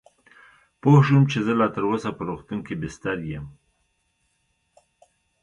پوه شوم چې زه لا تراوسه په روغتون کې بستر یم.